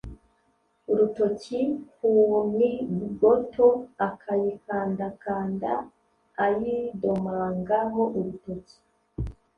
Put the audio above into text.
urutoki ku n goto, akayikandakanda ayidomanga ho urutoki